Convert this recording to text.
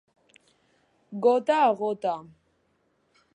Gota a gota.